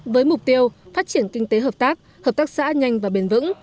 với mục tiêu phát triển kinh tế hợp tác hợp tác xã nhanh và bền vững